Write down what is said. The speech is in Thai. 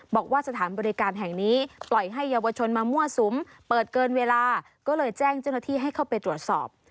บอกว่าสถานบริการแห่งนี้ปล่อยให้เยาวชนมามั่วสุมเปิดเกินเวลาก็เลยแจ้งเจ้าหน้าที่ให้เข้าไปตรวจสอบ